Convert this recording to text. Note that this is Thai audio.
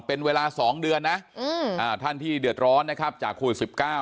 เป็นเวลา๒เดือนนะท่านที่เดือดร้อนนะครับจากโควิด๑๙